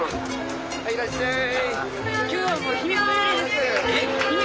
はいいらっしゃい。